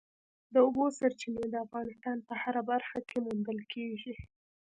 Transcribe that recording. د اوبو سرچینې د افغانستان په هره برخه کې موندل کېږي.